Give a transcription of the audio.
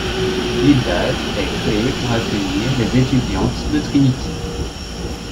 Hilda's, est créé pour accueillir les étudiantes de Trinity.